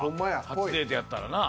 初デートやったらな。